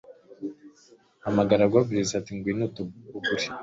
Hamagara goblins ati Ngwino ugure